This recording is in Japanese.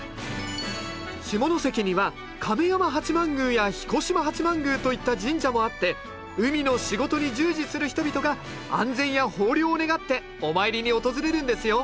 下関には亀山八幡宮や彦島八幡宮といった神社もあって海の仕事に従事する人々が安全や豊漁を願ってお参りに訪れるんですよ。